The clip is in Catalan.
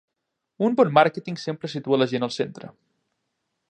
Un bon màrqueting sempre situa la gent al centre.